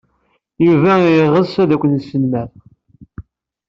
Yuba yeɣs ad kent-yesnemmer.